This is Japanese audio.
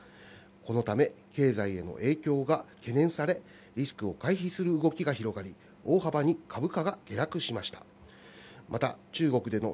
このため経済への影響が懸念され、リスクを回避する動きが広がり、大幅に株価が下落したためです。